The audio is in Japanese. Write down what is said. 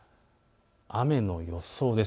雨の予想です。